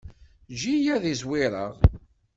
Eǧǧ-iyi ad zwireɣ.